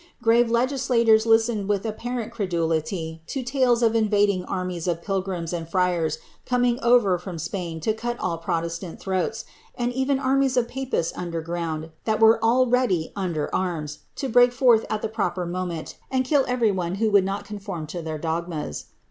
Grave legis lators listened with apparent credulity to tales of invading armies of pilirrims and friars coming over from Spain to cut all protestant tliroat;?, and even of armies of papists underground, that were all ready, under arms, to break forth at the proper moment, and kill every one wlio would not conform to their dogmas.